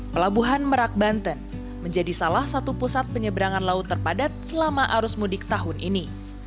pelabuhan merak banten menjadi salah satu pusat penyeberangan laut terpadat selama arus mudik tahun ini